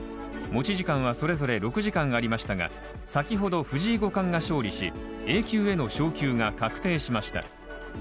持ち時間はそれぞれ６時間ありましたが先ほど、藤井五冠が勝利しＡ級への昇級が確定しました。